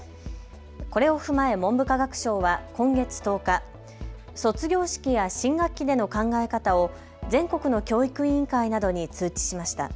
これを踏まえ文部科学省は今月１０日、卒業式や新学期での考え方を全国の教育委員会などに通知しました。